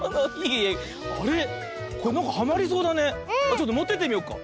ちょっともってってみようか。